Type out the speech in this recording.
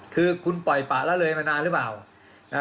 คือคุณปล่อยปะละเลยมานานหรือเปล่า